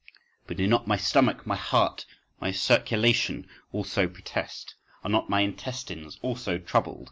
But do not my stomach, my heart, my circulation also protest? Are not my intestines also troubled?